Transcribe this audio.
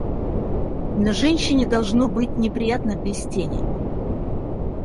Но женщине должно быть неприятно без тени.